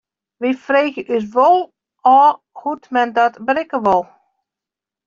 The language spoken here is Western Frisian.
We freegje ús wol ôf hoe't men dat berikke wol.